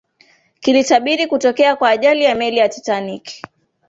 kilitabiri kutokea kwa ajali ya meli ya titanic